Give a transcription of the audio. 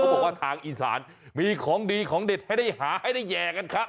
บอกว่าทางอีสานมีของดีของเด็ดให้ได้หาให้ได้แห่กันครับ